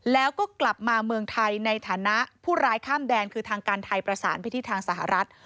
แล้วก็กลับมาเมืองไทยในฐานะผู้ร้ายข้ามแดนคือทางการไทยประสานไปที่ทางสหรัฐ